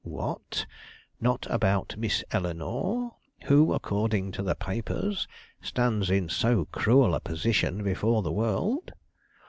"What! not about Miss Eleanore, who, according to the papers, stands in so cruel a position before the world?